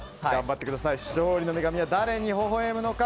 勝利の女神は誰にほほ笑むのか。